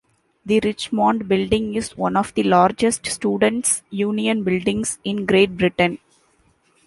The Richmond Building is one of the largest students' union buildings in Great Britain.